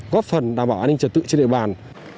góp phần đảm bảo an ninh trật tự trên địa bàn